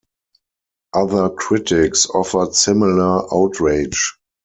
Other critics offered similar outrage.